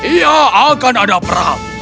iya akan ada perang